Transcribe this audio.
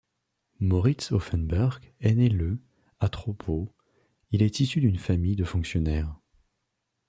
Moritz Auffenberg est né le à Troppau, il est issu d'une famille de fonctionnaires.